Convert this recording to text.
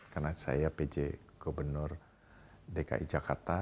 karena saya pj gubernur dki jakarta